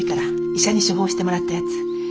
医者に処方してもらったやつ。